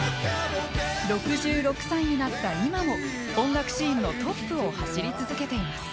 ６６歳になった今も音楽シーンのトップを走り続けています。